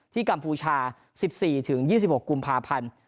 กัมพูชา๑๔๒๖กุมภาพันธ์